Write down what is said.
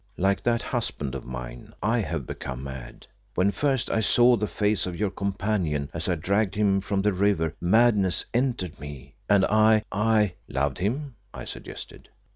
Like that husband of mine, I have become mad. When first I saw the face of your companion, as I dragged him from the river, madness entered me, and I I " "Loved him," I suggested.